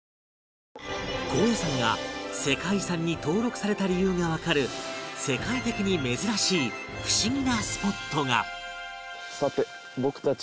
高野山が世界遺産に登録された理由がわかる世界的に珍しい不思議なスポットが